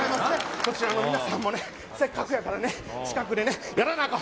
こちらの皆さんもね、せっかくやからね、近くでね、やらなあかん。